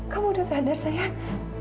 kamu udah sadar sayang